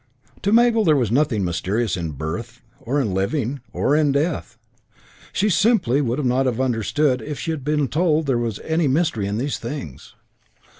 To Mabel there was nothing mysterious in birth, or in living, or in death. She simply would not have understood had she been told there was any mystery in these things.